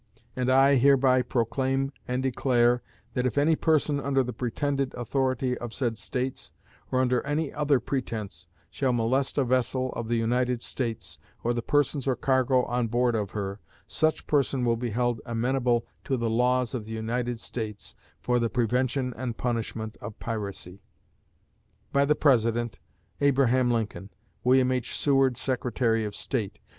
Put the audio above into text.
And I hereby proclaim and declare, that if any person, under the pretended authority of said States, or under any other pretense, shall molest a vessel of the United States, or the persons or cargo on board of her, such person will be held amenable to the laws of the United States for the prevention and punishment of piracy. By the President, ABRAHAM LINCOLN. WILLIAM H. SEWARD, Secretary of State.